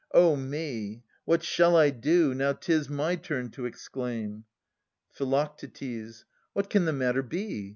O me! What shall I do ? Now 'tis my turn to exclaim ! Phi. What can the matter be?